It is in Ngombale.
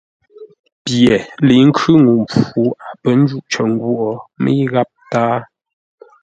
Pye ləi khʉ́ ŋuu mpfu a pə́ cər ngwôʼ, mə́i gháp tâa.